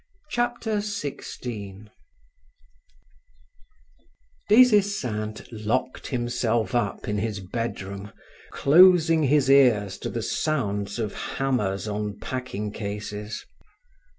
Chapter 16 Des Esseintes locked himself up in his bedroom, closing his ears to the sounds of hammers on packing cases.